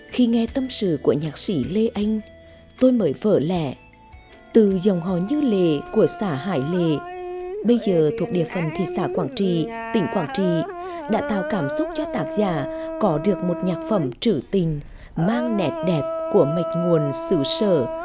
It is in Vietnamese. khi nghe tâm sự của nhạc sĩ lê anh tôi mới vỡ lẻ từ dòng hò như lề của xã hải lề bây giờ thuộc địa phần thị xã quảng trì tỉnh quảng trì đã tạo cảm xúc cho tác giả có được một nhạc phẩm trữ tình mang nẹt đẹp của mạch nguồn sự sở non mai sông hãn